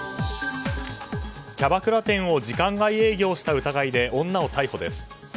キャバクラ店を時間外営業した疑いで女を逮捕です。